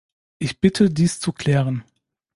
Ich bitte, dies zu klären.